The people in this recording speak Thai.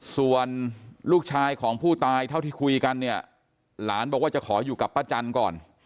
ส่วนลูกชายของผู้ตายเท่าที่คุยกันเนี่ยหลานบอกว่าจะขออยู่กับป้าจันทร์ก่อน